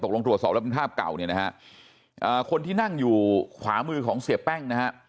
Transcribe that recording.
ลงตรวจสอบแล้วเป็นภาพเก่าเนี่ยนะฮะคนที่นั่งอยู่ขวามือของเสียแป้งนะฮะ